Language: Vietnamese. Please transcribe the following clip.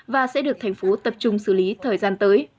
và sẽ được tp hcm tập trung xử lý thời gian tới